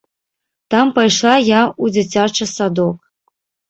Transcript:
Там пайшла я ў дзіцячы садок.